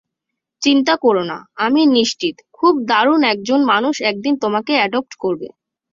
চিন্তা করো না, আমি নিশ্চিত খুব দারুণ একজন মানুষ একদিন তোমাকে এডপ্ট করবে।